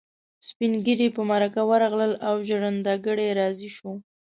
سپين ږيري په مرکه ورغلل او ژرنده ګړی راضي شو.